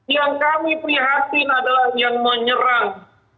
yang kami prihatin adalah yang menyerang